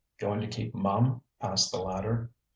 "Going to keep mum?" asked the latter.